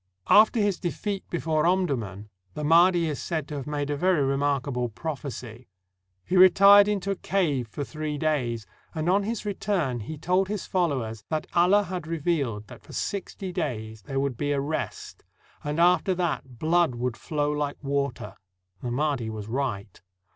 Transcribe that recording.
After his defeat before Omdurman, the Mahdi is said to have made a very remarkable prophecy. He retired into a cave for three days, and on his return he told his followers that Allah had revealed that for sixty days there would be a rest, and after that blood would flow like water. The Mahdi was right.